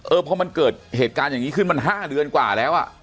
เออพอมันเกิดเหตุการณ์อย่างนี้ขึ้นมัน๕เดือนกว่าแล้วอ่ะ